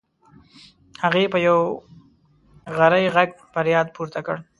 هغې په یو غری غږ فریاد پورته کړ.